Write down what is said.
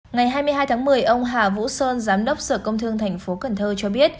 ngày hai mươi hai tháng một mươi ông hà vũ sơn giám đốc sở công thương thành phố cần thơ cho biết